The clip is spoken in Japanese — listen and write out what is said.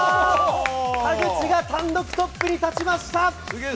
田口が単独トップに立ちました！